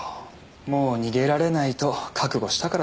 もう逃げられないと覚悟したからですよ